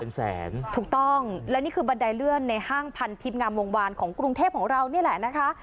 เป็นแสนถูกต้องและนี่คือบันไดเลื่อนในห้างพันทิพย์งามวงวานของกรุงเทพของเรานี่แหละนะคะ